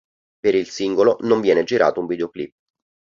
Per il singolo non viene girato un videoclip.